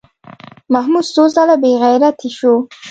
محمود څو ځله بېعزتي شو.